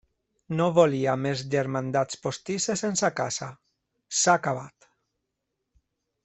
No volia més germandats postisses en sa casa: s'ha acabat.